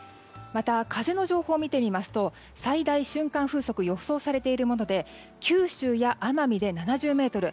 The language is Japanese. また、風の情報を見てみますと最大瞬間風速予想されているもので九州や奄美で７０メートル。